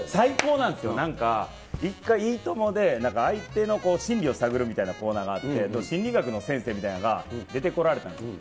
なんか、１回、いいともでなんか相手のこう、心理を探るみたいなコーナーがあって、心理学の先生みたいなのが出てこられたんですよ。